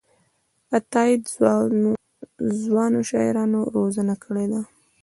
عطاييد ځوانو شاعرانو روزنه کړې ده.